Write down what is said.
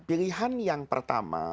pilihan yang pertama